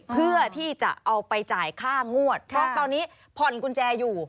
เพื่อที่จะเอาไปจ่ายค่างวดเพราะตอนนี้ผ่อนกุญแจอยู่